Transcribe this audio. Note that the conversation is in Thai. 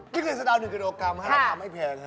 กินเศรษฐา๑กิโลกรัมราคาไม่แพง